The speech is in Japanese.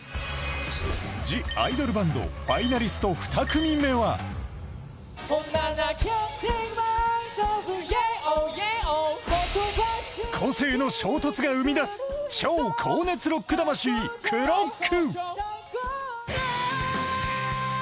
「ＴＨＥＩＤＯＬＢＡＮＤ：ＢＯＹ’ＳＢＡＴＴＬＥ」ファイナリスト２組目は個性の衝突が生み出す超高熱ロック魂、ＣＬＲＯＣＫ。